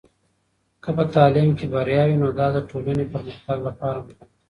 که په تعلیم کې بریا وي، نو دا د ټولنې پرمختګ لپاره مهم دی.